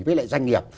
với lại doanh nghiệp